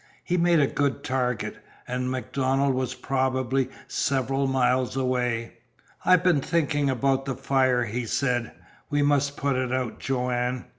He made a good target, and MacDonald was probably several miles away. "I've been thinking about the fire," he said. "We must put it out, Joanne.